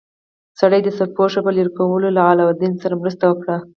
سړي د سرپوښ په لرې کولو کې له علاوالدین سره مرسته وکړه.